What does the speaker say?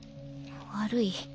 悪い？